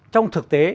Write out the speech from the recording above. trong thực tế